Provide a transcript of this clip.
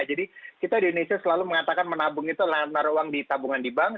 jadi kita di indonesia selalu mengatakan menabung itu adalah naruh uang di tabungan di bank